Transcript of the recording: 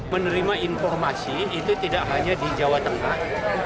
menerima informasi itu tidak hanya di jawa tengah